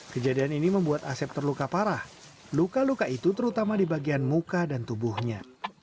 kejadian ini membuat asep terluka parah luka luka itu terutama di bagian muka dan tubuhnya